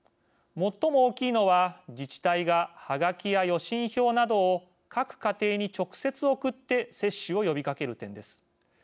最も大きいのは自治体がはがきや予診票などを各家庭に直接送って接種を呼びかける点です。